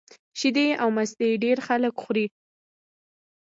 شیدې او مستې ډېری خلک خوري